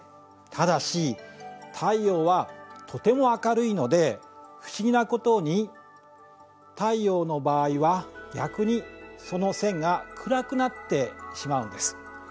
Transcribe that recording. ただし太陽はとても明るいので不思議なことに太陽の場合は逆にその線が暗くなってしまうんです。